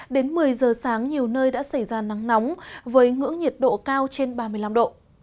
đến một mươi giờ sáng nhiều nơi đã xảy ra nắng nóng với ngưỡng nhiệt độ cao trên ba mươi năm độ